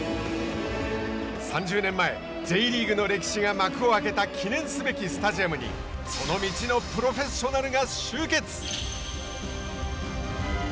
３０年前Ｊリーグの歴史が幕を開けた記念すべきスタジアムにその道のプロフェッショナルが集結。